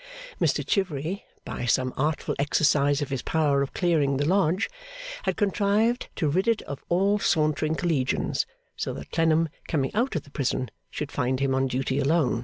Mr Chivery, by some artful exercise of his power of clearing the Lodge, had contrived to rid it of all sauntering Collegians; so that Clennam, coming out of the prison, should find him on duty alone.